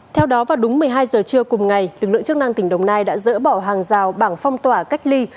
theo đó vào đúng một mươi hai giờ trưa cùng ngày lực lượng chức năng tỉnh đồng nai đã dỡ bỏ hàng rào bảng phong tỏa cách ly